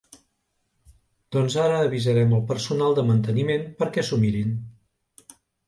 Doncs ara avisarem al personal de manteniment perquè s'ho mirin.